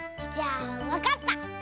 じゃあわかった！